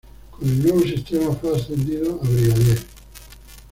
Con el nuevo sistema fue ascendido a brigadier.